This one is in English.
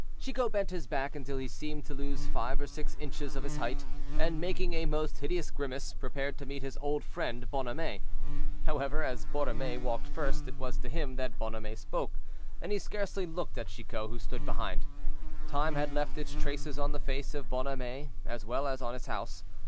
Chicot bent his back until he seemed to lose five or six inches of his height, and making a most hideous grimace, prepared to meet his old friend Bonhomet. However, as Borromée walked first, it was to him that Bonhomet spoke, and he scarcely looked at Chicot, who stood behind. Time had left its traces on the face of Bonhomet, as well as on his house.